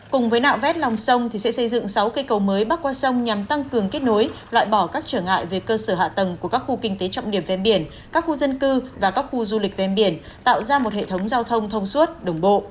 cùng với nạo vét lòng sông sẽ xây dựng sáu cây cầu mới bắc qua sông nhằm tăng cường kết nối loại bỏ các trở ngại về cơ sở hạ tầng của các khu kinh tế trọng điểm ven biển các khu dân cư và các khu du lịch ven biển tạo ra một hệ thống giao thông thông suốt đồng bộ